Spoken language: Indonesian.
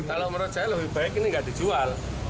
kalau menurut saya lebih baik ini nggak dijual